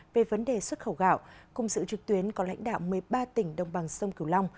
về vấn đề xuất khẩu gạo cùng sự trực tuyến có lãnh đạo một mươi ba tỉnh đồng bằng sông cửu long